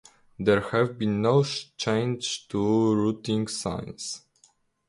There have been no changes to the routing since.